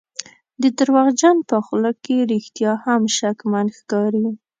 د دروغجن په خوله کې رښتیا هم شکمن ښکاري.